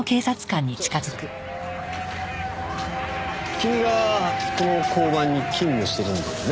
君がこの交番に勤務してるんだよね？